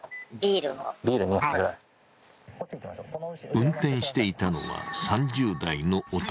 運転していたのは３０代の男。